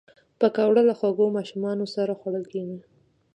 پکورې له خوږو ماشومانو سره خوړل کېږي